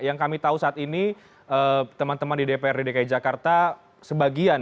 yang kami tahu saat ini teman teman di dprd dki jakarta sebagian